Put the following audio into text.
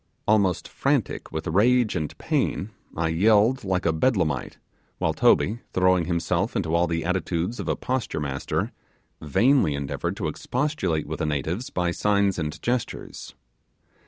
Almost frantic with rage and pain, I yelled like a bedlamite; while Toby, throwing himself into all the attitudes of a posture master, vainly endeavoured to expostulate with the natives by signs and gestures.